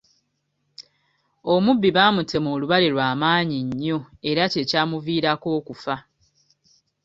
Omubbi baamutema olubale lwa maanyi nnyo era kye kyamuviirako okufa.